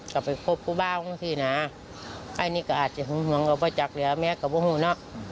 ก็ไปพบผู้บ้างของที่น่ะอันนี้ก็อาจจะหวังว่าจักริยาแม่ก็ว่าหูน่ะ